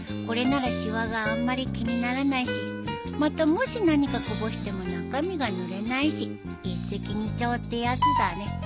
これならしわがあんまり気にならないしまたもし何かこぼしても中身がぬれないし一石二鳥ってやつだね。